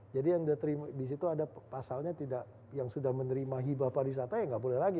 jadi yang sudah terima disitu ada pasalnya tidak yang sudah menerima hibah pariwisata ya tidak boleh lagi